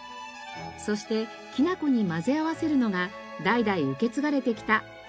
そしてきなこに混ぜ合わせるのが代々受け継がれてきた秘伝の蜜。